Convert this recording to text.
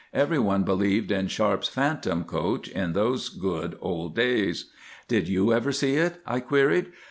Every one believed in Sharpe's Phantom Coach in those good old days." "Did you ever see it?" I queried.